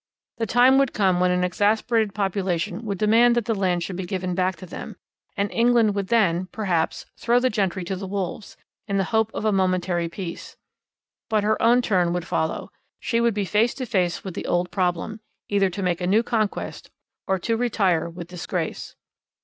The time would come when an exasperated population would demand that the land should be given back to them, and England would then, perhaps, throw the gentry to the wolves, in the hope of a momentary peace. But her own turn would follow. She would be face to face with the old problem, either to make a new conquest or to retire with disgrace.